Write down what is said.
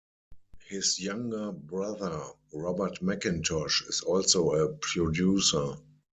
His younger brother, Robert Mackintosh, is also a producer.